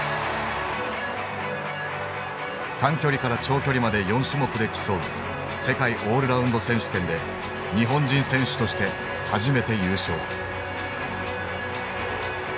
短距離から長距離まで４種目で競う世界オールラウンド選手権で日本人選手として初めて優勝。